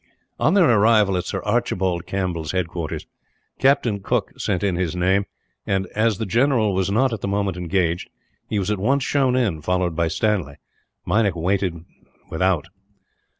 On their arrival at Sir Archibald Campbell's headquarters, Captain Cooke sent in his name and, as the general was not at the moment engaged, he was at once shown in; followed by Stanley, Meinik remaining without.